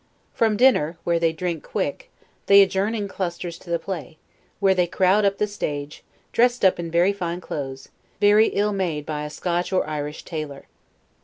From dinner, where they drink quick, they adjourn in clusters to the play, where they crowd up the stage, dressed up in very fine clothes, very ill made by a Scotch or Irish tailor.